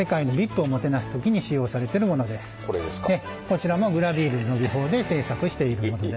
こちらもグラヴィールの技法で製作しているもので。